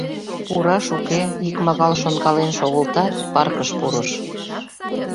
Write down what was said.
Пураш, уке — икмагал шонкален шогылтат, паркыш пурыш.